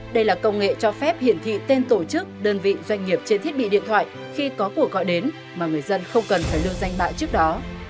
đây là công nghệ cho phép hiển thị tên tổ chức đơn vị doanh nghiệp trên thiết bị điện thoại khi có cuộc gọi đến mà người dân không cần phải lưu danh bạ trước đó